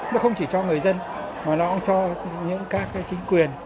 nó không chỉ cho người dân mà nó cũng cho những các chính quyền